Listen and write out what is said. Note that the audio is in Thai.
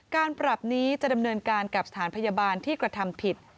การปรับนี้จะดำเนินการกับสถานพยาบาลที่กระทำผิด